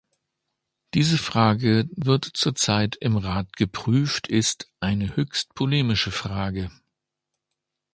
Diese Frage wird zur Zeit im Rat geprüftist eine höchst polemische Frage.